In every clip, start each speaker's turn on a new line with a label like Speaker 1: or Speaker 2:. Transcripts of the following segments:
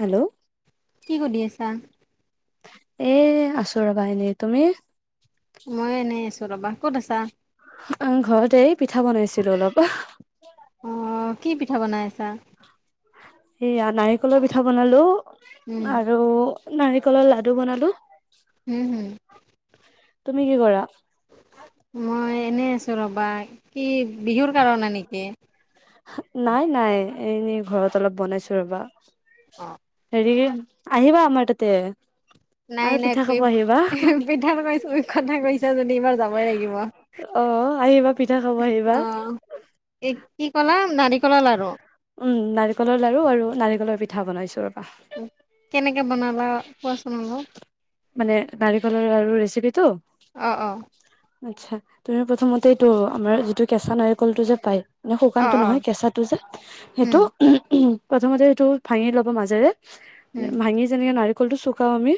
Speaker 1: Hello
Speaker 2: কি সুধি আছা?
Speaker 1: এ আছো ৰ'বা এনেই, তুমি?
Speaker 2: মই এনেই আছো ৰ'বা, ক'ত আছা?
Speaker 1: উম ঘৰতে এই পিঠা বনাইছিলো অলপ
Speaker 2: অঁ কি পিঠা বনাই আছা?
Speaker 1: সেইয়া নাৰিকলৰ পিঠা বনালোঁ।
Speaker 2: উম,
Speaker 1: আৰু নাৰিকলৰ লাডু বনালোঁ।
Speaker 2: হ'ম, হ'ম।
Speaker 1: তুমি কি কৰা?
Speaker 2: মই এনেই আছোঁ ৰ'ব। বা, কি বিহুৰ কাৰণে নেকি?
Speaker 1: নাই, নাই এনেই ঘৰত অলপ বনাইছোঁ ৰ'বা।
Speaker 2: অ'
Speaker 1: হেৰি আহিবা আমৰ তাতে।
Speaker 2: নাই,
Speaker 1: আৰু
Speaker 2: নাই
Speaker 1: পিঠা খাব
Speaker 2: পিপ
Speaker 1: আহিবা
Speaker 2: পিঠা বনাইছোঁ কথা কৈছোঁ। তে জোন এইবাৰ যাবই লাগিব,
Speaker 1: অ আহিবা পিঠা খাব আহিবা
Speaker 2: অ' এই কি ক'লা? নাৰিকলৰ লাৰু।
Speaker 1: উম, নাৰিকলৰ লাৰু আৰু নাৰিকলৰ পিঠা বনাইছোঁ ৰ'বা।
Speaker 2: উ, কেনেক
Speaker 1: মানে নাৰিকলৰ লাৰু ৰেচিপিত তো।
Speaker 2: অ', অ।
Speaker 1: আচ্ছা তুমি প্ৰথমতে এইটো আমাৰ যিটো কেঁচা নাৰিকলটো যে, পাই মানে
Speaker 2: অ'
Speaker 1: শুকানটো নহয়,
Speaker 2: অ'
Speaker 1: কেঁচাটো যে সেইটো
Speaker 2: উম,
Speaker 1: প্ৰথমতে সেইটো ভাঙি ল'বা মাজেৰে।
Speaker 2: উম,
Speaker 1: ভাঙি নাৰিকলটো চুকাওঁ আমি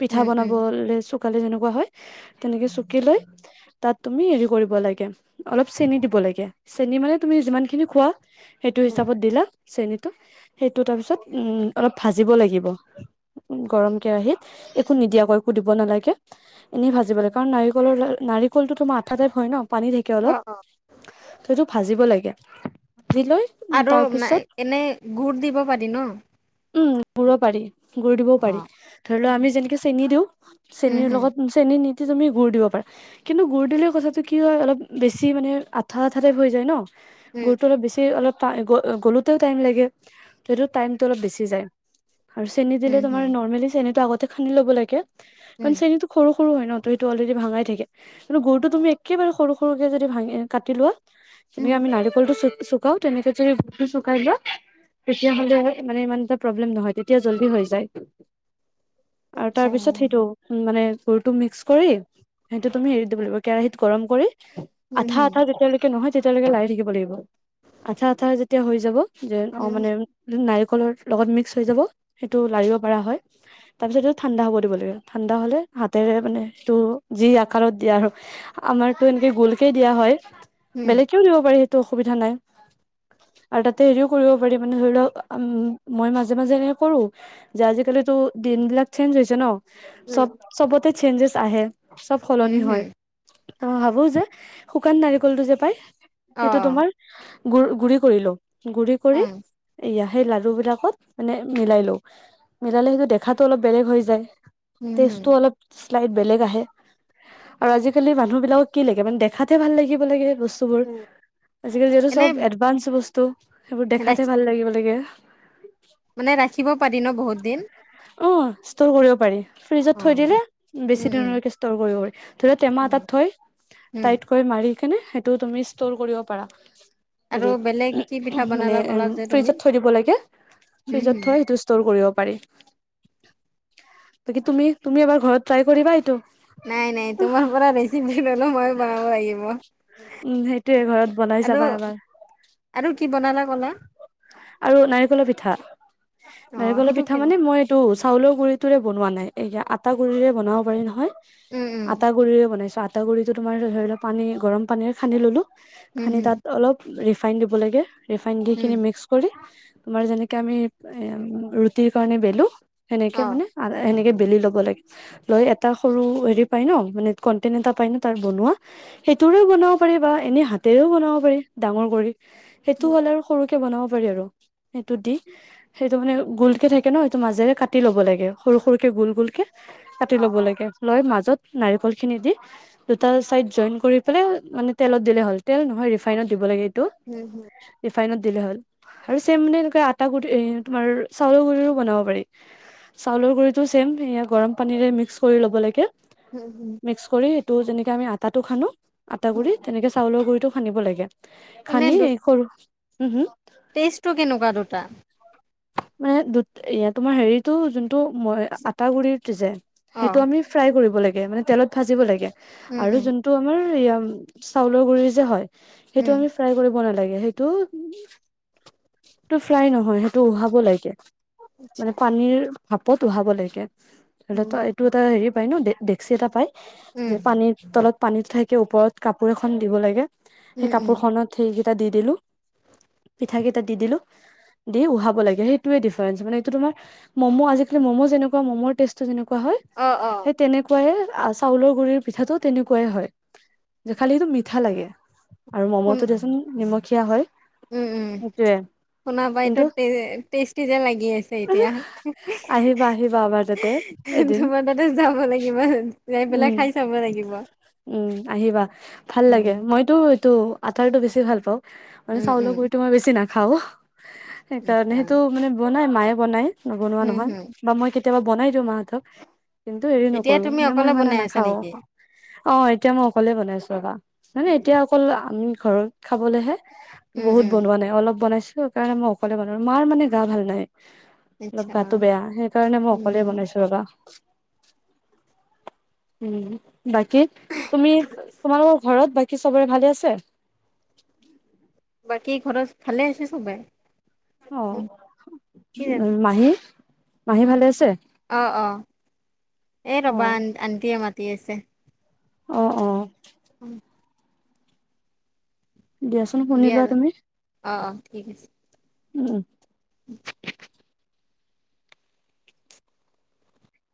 Speaker 1: পিঠা
Speaker 2: উম, উম,
Speaker 1: বনাবলে চো কালে যেনেকুৱা হয়, তেনেকে চুকি লৈ তাত তুমি হেৰি কৰিব লাগে, অলপ চেনি দিব লাগে, চেনি মানে তুমি যিমানখিনি খোৱা। সেইটো,
Speaker 2: উম।
Speaker 1: হিচাপত দিলা চেনটো, সেইটো তাৰপিছত উম, অলপ ভাজিব লাগিব। গৰম কেৰাহিত একো নিদিয়া কৈ, একো দিব নালাগে, এনেই ভাজিব লাগে, কাৰণ নাৰিকলৰ-নাৰিকলটো তোমাৰ আঠা টাইপ হয়, ন। পানী থাকে, অলপ।
Speaker 2: অ' অ'
Speaker 1: সেইটো ভাজিব লাগে। ভাজি লৈ
Speaker 2: আৰু
Speaker 1: তাৰ পিছত
Speaker 2: এনে গুড় দিব পাৰি ন?
Speaker 1: উম, গুড় পাৰি। গুড় দিবও পাৰি,
Speaker 2: অ'
Speaker 1: ধৰি লোৱা আমি যেনেকে চেনি দিওঁ,
Speaker 2: হুম,
Speaker 1: চেনিৰ
Speaker 2: হুম,
Speaker 1: লগত চেনি নি তেতিয়া তুমি গুড় দিব পাৰা। কিন্তু গুড় দিলে কথাটো কি হয়, অলপ বেছি মানে আঠা, আঠা, টাইপ হৈ যায় ন।
Speaker 2: উম,
Speaker 1: গুড়টো অলপ, বেছি অলপ [unintelligible] গ গ'লোতেও টাইম লাগে। সেটো টাইম টো অলপ বেছি যায়। আৰু চেনি দিলে
Speaker 2: হুম,
Speaker 1: তোমাৰ
Speaker 2: হুম,
Speaker 1: নৰ্মেলি চেনিটো আগত তে খানি ল'ব লাগে কাৰণ
Speaker 2: উম।
Speaker 1: চেনিটো সৰু সৰু হয় ন', ত' সেইটো অলৰেডি ভাঙাই থাকে। কিন্তু গোৰটো তুমি একেবাৰে সৰু সৰুকে যদি ভাঙি কাটি লোৱা তেনেকে আমি নাৰিকলটো চ চুকাও, তেনেকে যদি গুড়টো চুকাই লোৱা তেতিয়াহ'লে মানে ইমান এটা প্ৰব্লেম নহয়। তেতিয়া জল্দি হৈ যায়। আৰু
Speaker 2: আচ্ছা
Speaker 1: তাৰপিছত
Speaker 2: হুম
Speaker 1: সেইটো, মানে গুড়টো মিক্স কৰি সেইটো তুমি হেৰি দিব লাগিব, কেৰাহিত গৰম কৰি
Speaker 2: হুম
Speaker 1: আঠা-আঠা যেতিয়ালৈকে নহয় তেতিয়ালৈকে লাৰি থাকিব লাগিব। আঠা-আঠা যেতিয়া হৈ যাব। যেন অ'
Speaker 2: হুম
Speaker 1: মানে নাৰ কলৰ লগত মিক্স হৈ যাব, সেইটো লাৰিব পাৰা হয়। তাৰ পিছত সেটো ঠাণ্ডা হ'ব দিব লাগিব। ঠাণ্ডা হ'লে হাতেৰে মানে সেইটো যি আকাৰত দিয়া আৰু আমাৰতো এনেকে গোলকেই দিয়া হয়।
Speaker 2: হুম
Speaker 1: বেলেগকেও দিব পাৰে। তো অসুবিধা নাই আৰু তাতে এনেও কৰিব পাৰি, মানে ধৰি লওঁক। উম, মই মাজে মাজে এনে কৰোঁ, যে আজিকালিতো দিন বিলাক চেঞ্জ হৈছে ন
Speaker 2: হুম
Speaker 1: চ'ব চবতে চেঞ্জেছ আহে। চ'ব
Speaker 2: হুম
Speaker 1: সলনি
Speaker 2: হুম
Speaker 1: হয়। অ' ভাবোঁ যে শুকান নাৰিকলটো যে পাই।
Speaker 2: অ অ
Speaker 1: সেইটো তোমাৰ গুড় গুড়ি কৰি লওঁ। গুড়ি
Speaker 2: অ
Speaker 1: কৰি এইয়া। সেই লাডো বিলাকত মানে মিলাই লওঁ। মিলালে সেইটো দেখাটো অলপ বেলেগ হৈ যায়।
Speaker 2: হুম হুম
Speaker 1: ষ্টেচটো অলপ [unintelligible] বেলেগ আহে আৰু আজিকালি মানুহবিলাকক কি লাগে মানে দেখাতহে ভাল লাগিব লাগে বচ বস্তুবোৰ
Speaker 2: উম।
Speaker 1: আজিকালিতো
Speaker 2: এনে
Speaker 1: চব এডভাঞ্চ বচ তো' সেইবোৰ দেখাতে
Speaker 2: ৰাখি
Speaker 1: ভাল লাগিব লাগে।
Speaker 2: মানে ৰাখিব পাৰি ন' বহুত দিন।
Speaker 1: অ' ষ্টৰ কৰিব পাৰি। ফ্ৰিজত
Speaker 2: অ
Speaker 1: থৈ দিলে
Speaker 2: উম
Speaker 1: বেছি
Speaker 2: উম
Speaker 1: দিনলৈকে ষ্টৰ কৰিব পাৰি। ধৰি লও টেমা
Speaker 2: উম
Speaker 1: এটাত থৈ
Speaker 2: উম।
Speaker 1: টাইটকৈ মাৰি নে, সেইটো তুমি ষ্টৰ কৰিব পাৰা।
Speaker 2: আৰু বেলেগ
Speaker 1: হেৰিত
Speaker 2: কি পিঠা বনালা
Speaker 1: মানে
Speaker 2: ক'লা
Speaker 1: উম,
Speaker 2: যে তুমি
Speaker 1: ফ্ৰিজত থৈ দিব লাগে।
Speaker 2: হুম হুম
Speaker 1: ফ্ৰিজত থৈ সেইটো ষ্টৰ কৰিব পাৰি। ত, কি, তুমি-তুমি এবাৰ ঘৰত ট্ৰাই কৰিবা এইটো।
Speaker 2: নাই, নাই তোমাৰ পৰা ৰেচিপি ললো মই বনাব
Speaker 1: উম সেইটোয়ে
Speaker 2: লাগিব,
Speaker 1: ঘৰত বনাই
Speaker 2: আৰু
Speaker 1: চাবা এবাৰ
Speaker 2: আৰু কি বনালা কলা?
Speaker 1: আৰু নাৰিকলৰ পিঠা,
Speaker 2: অ
Speaker 1: নাৰিকলৰ
Speaker 2: সেইটো
Speaker 1: পিঠা
Speaker 2: কেনে
Speaker 1: মানে, মই এইটো চাউলৰ গুৰিত তোৰে বনোৱা নাই, এয়া আটা গুৰিৰে বনাব পাৰি নহয়।
Speaker 2: উম উম
Speaker 1: আটা গুৰিৰে বনাইছো আ আটা গুড়টো তোমাৰ ধৰি লোৱা, পানী গৰম পানীৰে সানি ল'লোঁ।
Speaker 2: হুম
Speaker 1: সানি
Speaker 2: হুম
Speaker 1: তাত অলপ। ৰিফাইণ্ দিব লাগে। ৰিফাইন
Speaker 2: হুম
Speaker 1: দিখিনি মিক্স তোমাৰ যেনেকে আমি এ ৰুটিৰ কাৰণে বেলো। সেনেকে
Speaker 2: অ
Speaker 1: মানে, সেনেকে বেলি ল'ব লাগে। লৈ এটা সৰু হেৰি পাই ন মানে কন্টেন এটা পাই ন, তাৰ বনোৱা সেইটোৰেও বনাব পাৰি, বা এনে হাতেৰেও বনাব পাৰি, ডাঙৰ কৰি। সেইটো
Speaker 2: হুম,
Speaker 1: হ'ল আৰু সৰুকে সেইটো বনাব পাৰি সেইটো দি সেইটো মানে গোল কে থাকে ন, সেইটো মাজেৰে কাটি লব লাগে। সৰু-সৰুকে গোল, গোল কে। কাটি
Speaker 2: অ
Speaker 1: ল'ব লাগে, লৈ মাজত নাৰিকল খিনি দি, দুটা চাইড জইন কৰি পেলাই মানে তেলত দিলে হ'ল, তেল নহয় ৰিফাইনত দিব লাগে। আৰু
Speaker 2: হুম হুম
Speaker 1: ৰিফাইনত দিলে হ'ল। আৰু চেমনেম মানে, এনেক আতা তোমাৰ চাউলৰ গুৰি বনাব পাৰি, চাউলৰ গুৰিটো চেম সয়া গৰম পানীৰে মিক্স কৰি ল'ব লাগে।
Speaker 2: হুম হুম
Speaker 1: মিক্স কৰি সেইটো যেনেকে এতি আমি আটাটো খানো। আটা গুৰি, তেনেকে চালৰ গুৰি টো, সানিব লাগে।
Speaker 2: এনে
Speaker 1: খানি সৰু, হুম, হুম।
Speaker 2: টেষ্টটো কেনেকুৱা দুটা?
Speaker 1: মানে দু, এ তোমাৰ হেৰিতো যোন টো, মই
Speaker 2: চা-
Speaker 1: আটাগুৰি যে
Speaker 2: অ
Speaker 1: সেইটো আমি ফ্ৰাই কৰিব লাগিব। এতিয়া মানে তেলত ভাজিব লাগে।
Speaker 2: উম,
Speaker 1: আৰু
Speaker 2: উম,
Speaker 1: যোনটো আমাৰ উম চাউলৰ গুৰি যে হয়। সেইটো
Speaker 2: উম,
Speaker 1: আমি ফ্ৰাই কৰিব নালাগ সেইটো ফ্ৰাই নহয় সে টো উহাব লাগে।
Speaker 2: আচ্ছা,
Speaker 1: মানে পানীৰ ভাপত উহাব লাগে। লে
Speaker 2: উম,
Speaker 1: তই এইটো এটা হেৰি পাই ন দে ডেকচি এটা পায় যে
Speaker 2: উম,
Speaker 1: পানীৰ তলত পানীত থাকে ওপৰত কাপোৰ এখন দিব লাগে। সেই
Speaker 2: উম, উম,
Speaker 1: কাপোৰ খনত সেই টা দি দিলো। পিঠা কেইটা দি দিলো। দি উহাব লাগে সেইটোয়ে ডিফাৰেন্ঞ্চ মানে তোমাৰ ম'ম' আজিকালি ম'ম' যেনেকা ম'ম' টেষ্ট টো যেনেকুৱা কোৱা হয়
Speaker 2: অ', অ',
Speaker 1: সেই তেনেকুৱাই চাউলৰ গুৰিৰ পিঠাটো তেনেকুৱাই হয় যে খালি সেইটো মিঠা লাগে। আৰু
Speaker 2: শুন
Speaker 1: ম'ম'টো দিয়াচোন নিমখ খীয়া হয়।
Speaker 2: উম', উম',
Speaker 1: সেইটোয়ে
Speaker 2: শুনা মই ইটো
Speaker 1: কিন্তু
Speaker 2: টে টেষ্টি যে লাগি আছে, এতিয়া
Speaker 1: আহিবা আহিবা আমাৰ তাতে এদিন
Speaker 2: তোমাৰ তাত যাব লাগিব যাই পেলাই
Speaker 1: উম
Speaker 2: খাই চাব লাগিব
Speaker 1: উম
Speaker 2: উম।
Speaker 1: তো আটাৰটো বেছি ভাল পাওঁ। মান
Speaker 2: উম,
Speaker 1: চাউল
Speaker 2: উম,
Speaker 1: গুৰি তোৰ বেছি না খাওঁ। সেইকাৰণে
Speaker 2: আচ্ছা,
Speaker 1: সেইটো মানে ব নাই মায়ে বনায়। নবনোৱা
Speaker 2: উম,
Speaker 1: নহয়
Speaker 2: হম,
Speaker 1: বা মই কে কেতিয়াবা বনাই দিওঁ মাহঁতক। কিন্তু হেৰি
Speaker 2: এতিয়া
Speaker 1: নকৰো
Speaker 2: তুমি
Speaker 1: মানে মই
Speaker 2: অকলে
Speaker 1: সিমানে
Speaker 2: বনাই আছা
Speaker 1: নাখাওঁ,
Speaker 2: নেকি?
Speaker 1: অ এতিয়া মই অকলে বনাইছো ৰবা মানে এতিয়া অকল আমি ঘৰত খাবলেহে।
Speaker 2: উম,
Speaker 1: বহুত
Speaker 2: উম,
Speaker 1: বনোৱা নাই অলপ বনাইছো। সেই কাৰণে মই অকলে বনালো মাৰ মানে গা ভাল নাই। অলপ
Speaker 2: আচ্ছা,
Speaker 1: গাটো বেয়া সেইকাৰণে মই
Speaker 2: উম,
Speaker 1: অকলে
Speaker 2: হম,
Speaker 1: বনাইছো ৰবা। উম। বাকী, তুমি-তোমালোকৰ ঘৰত বা কি চবৰে ভালে আছে?
Speaker 2: বাকী, ঘৰত ভালে আছে চবে?
Speaker 1: অ'
Speaker 2: উম, কি জানো,
Speaker 1: উম, মাহী? মাহী ভালে আছে?
Speaker 2: অ' অ'। এই
Speaker 1: অ
Speaker 2: ৰ'বা! আ আণ্টিয়ে মাত তি আছে।
Speaker 1: অ' অ'।
Speaker 2: অ',
Speaker 1: দিয়াচোন
Speaker 2: দিয়া,
Speaker 1: শুনিলোৱা তুমি।
Speaker 2: অ', অ', ঠিক আছে।
Speaker 1: উম।
Speaker 2: [inaudible]